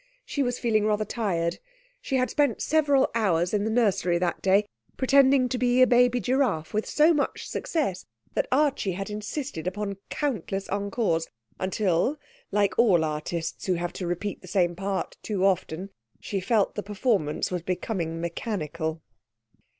She was feeling rather tired. She had spent several hours in the nursery that day, pretending to be a baby giraffe with so much success that Archie had insisted upon countless encores, until, like all artists who have to repeat the same part too often, she felt the performance was becoming mechanical.